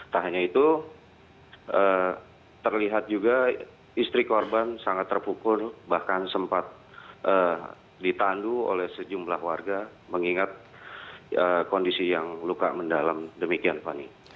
tak hanya itu terlihat juga istri korban sangat terpukul bahkan sempat ditandu oleh sejumlah warga mengingat kondisi yang luka mendalam demikian fani